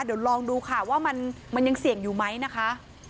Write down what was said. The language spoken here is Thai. เดี๋ยวลองดูค่ะว่ามันยังเสี่ยงอยู่ไหมนะคะ